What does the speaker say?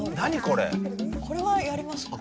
これはやりますよ。